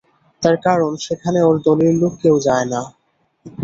তার কারণ, সেখানে ওর দলের লোক কেউ যায় না।